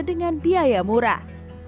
dengan biaya murah